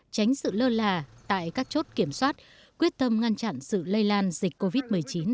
tránh sự lơ là tại các chốt kiểm soát quyết tâm ngăn chặn sự lây lan dịch covid một mươi chín